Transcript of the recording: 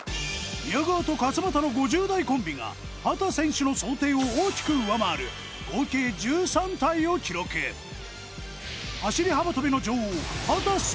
宮川と勝俣の５０代コンビが秦選手の想定を大きく上回る合計１３体を記録走り幅跳びの女王秦澄